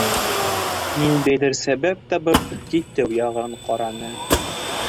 Ниндәйҙер сәбәп табып, китеү яғын ҡараны.